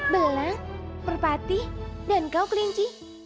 belang perpati dan kau klinci